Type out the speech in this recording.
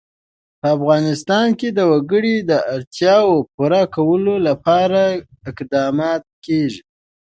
په افغانستان کې د وګړي د اړتیاوو پوره کولو لپاره اقدامات کېږي.